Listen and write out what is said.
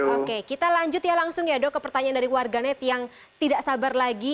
oke kita lanjut ya langsung ya dok ke pertanyaan dari warganet yang tidak sabar lagi